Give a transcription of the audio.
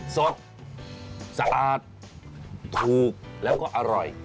สดสะอาดถูกแล้วก็อร่อย